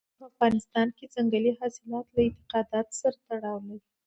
په افغانستان کې ځنګلي حاصلات له اعتقاداتو سره تړاو لري.